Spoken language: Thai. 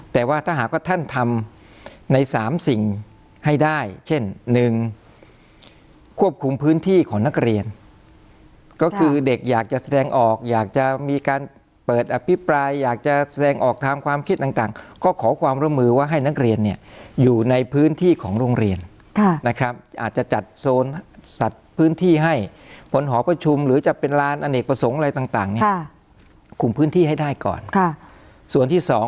แต่ว่าถ้าหากว่าท่านทำในสามสิ่งให้ได้เช่นหนึ่งควบคุมพื้นที่ของนักเรียนก็คือเด็กอยากจะแสดงออกอยากจะมีการเปิดอภิปรายอยากจะแสดงออกทางความคิดต่างก็ขอความร่วมมือว่าให้นักเรียนเนี่ยอยู่ในพื้นที่ของโรงเรียนนะครับอาจจะจัดโซนสัตว์พื้นที่ให้ผลหอประชุมหรือจะเป็นร้านอเนกประสงค์อะไรต่างเนี่ยคุมพื้นที่ให้ได้ก่อนค่ะส่วนที่สอง